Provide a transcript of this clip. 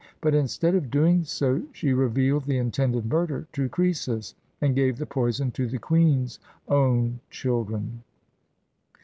But, instead of doing so, she revealed the intended murder to Croesus, and gave the poison to the queen's own children.